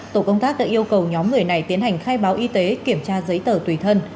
tổ công tác đã yêu cầu nhóm người này tiến hành khai báo y tế kiểm tra giấy tờ tùy thân